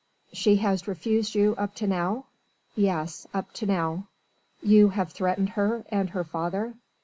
"She has refused you up to now?" "Yes ... up to now." "You have threatened her and her father?"